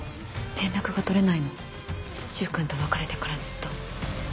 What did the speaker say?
連絡が取れないの柊君と別れてからずっと。